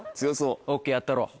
ＯＫやったろう。